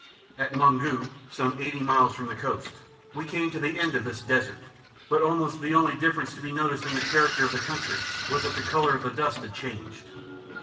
At Maungu, some eighty miles from the coast, we came to the end of this "desert," but almost the only difference to be noticed in the character of the country was that the colour of the dust had changed.